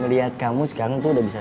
iya biar kayak orang aja